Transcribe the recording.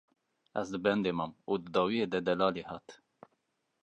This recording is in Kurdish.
Ez li bendê mam û di dawiyê de Delalê hat.